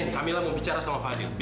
kamilah mau bicara soal fadil